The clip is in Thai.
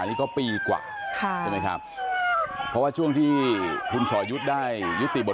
นี้ก็ปีกว่านะครับเพราะว่าช่วงที่คุณศอยุษย์ได้ยุติบทบาท